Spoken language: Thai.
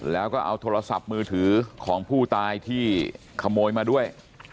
แล้วก็เอาโทรศัพท์มือถือของผู้ตายที่ขโมยมาด้วย